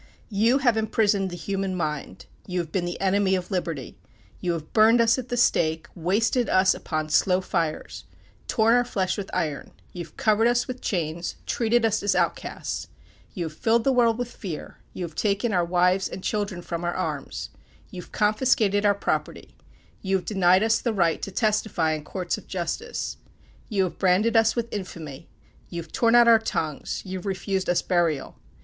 You have imprisoned the human mind; you have been the enemy of liberty; you have burned us at the stake wasted us upon slow fires torn our flesh with iron; you have covered us with chains treated us as outcasts; you have filled the world with fear; you have taken our wives and children from our arms; you have confiscated our property; you have denied us the right to testify in courts of justice; you have branded us with infamy; you have torn out our tongues; you have refused us burial.